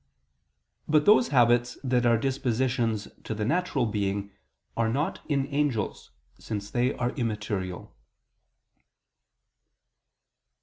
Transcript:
But those habits that are dispositions to the natural being are not in angels, since they are immaterial.